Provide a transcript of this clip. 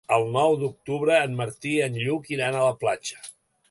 El nou d'octubre en Martí i en Lluc iran a la platja.